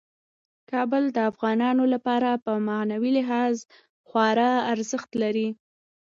کابل د افغانانو لپاره په معنوي لحاظ خورا ارزښت لري.